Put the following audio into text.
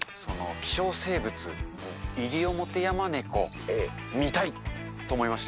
希少生物、イリオモテヤマネコを見たいと思いまして。